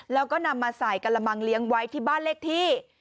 แล้วก็นำมาใส่กระมังเลี้ยงไว้ที่บ้านเลขที่